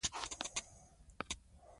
د دوی کږدۍ پر بارانه ولاړه وه.